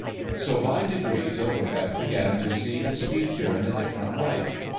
So by degrees Overbeck began to see his future in a different light.